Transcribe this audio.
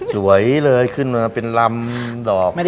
สวยเลยขึ้นมาเป็นลำดอก